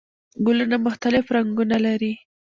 ګلونه مختلف رنګونه لري